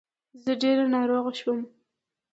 زه ډير ناروغه شوم